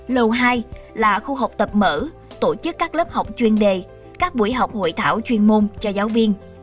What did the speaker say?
lầu hai là khu học tập mở tổ chức các lớp học chuyên đề các buổi học hội thảo chuyên môn cho giáo viên